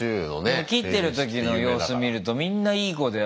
でも切ってる時の様子見るとみんないい子で。